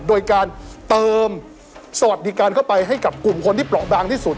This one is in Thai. โดยการเติมสวัสดิการเข้าไปให้กับกลุ่มคนที่เปราะบางที่สุด